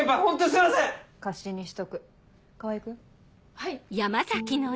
はい。